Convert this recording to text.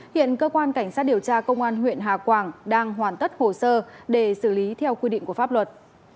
hiện cơ quan cảnh sát điều tra công an huyện hà quảng đang hoàn tất hồ sơ để xử lý theo quy định của pháp luật